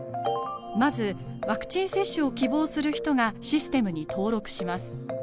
まずワクチン接種を希望する人がシステムに登録します。